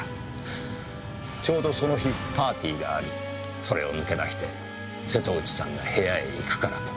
ちょうどその日パーティーがありそれを抜け出して瀬戸内さんが部屋へ行くからと。